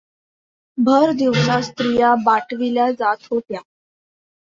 भर दिवसा स्त्रिया बाटविल्या जात होत्या.